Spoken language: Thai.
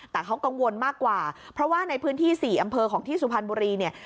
แต่เขากังวลมากกว่าเพราะว่าในพื้นที่๔อำเภอของที่สุพรรณบุรีเนี่ย